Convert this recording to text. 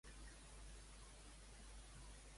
Quina mesura indica que afecta els dirigents empresonats?